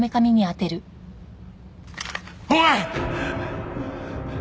おい！